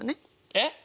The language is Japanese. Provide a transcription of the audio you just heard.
えっ？